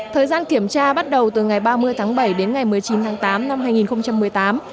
thời gian kiểm tra bắt đầu từ ngày ba mươi tháng bảy đến ngày một mươi chín tháng tám năm hai nghìn một mươi tám